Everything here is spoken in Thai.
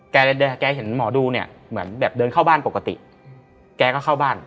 แกเห็นหมอดูเนี่ยเหมือนแบบเดินเข้าบ้านปกติแกก็เข้าบ้าน